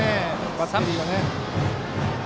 バッテリーは。